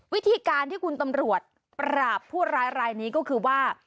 วิธีการที่คุณตำรวจปราบผู้ร้ายรายนี้ก็คือว่า